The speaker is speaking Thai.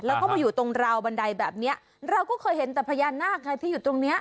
แล้วก็มาอยู่ตรงราวบันไดแบบเนี้ยเราก็เคยเห็นแต่พญานาคไงที่อยู่ตรงเนี้ย